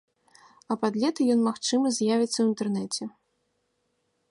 А пад лета ён, магчыма, з'явіцца ў інтэрнэце.